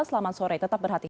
selamat sore tetap berhati hati